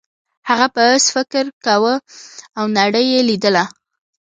هغه په اس سفر کاوه او نړۍ یې لیدله.